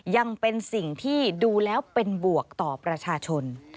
ยังเป็นสิ่งที่ดูแล้วเป็นบวกต่อประชาชน